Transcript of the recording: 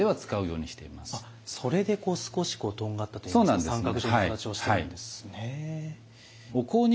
それで少しこうとんがったといいますか三角状の形をしているんですね。